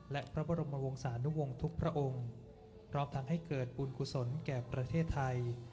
และพระบรมวงศานุวงศ์ทุกพระองค์พร้อมทั้งให้เกิดบุญกุศลแก่ประเทศไทย